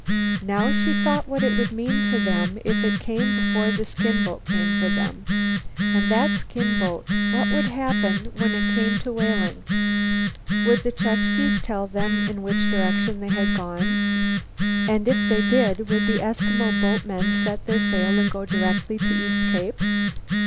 Now she thought what it would mean to them if it came before the skin boat came for them. And that skin boat? What would happen when it came to Whaling? Would the Chukches tell them in which direction they had gone? And if they did, would the Eskimo boatmen set their sail and go directly to East Cape?